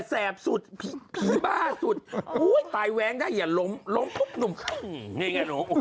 แบสุดผีบ้าสุดอุ้ยตายแว้งได้อย่าล้มล้มปุ๊บหนุ่มขึ้นนี่ไงหนู